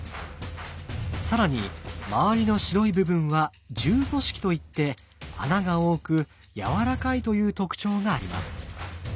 更に周りの白い部分は柔組織といって穴が多くやわらかいという特徴があります。